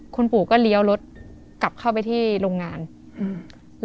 คุณปู่ก็เลี้ยวรถกลับเข้าไปที่โรงงานอืม